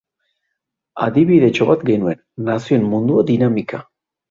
Adibidetxo bat genuen, Nazioen Mundua dinamika.